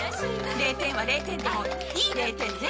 ０点は０点でもいい０点ね。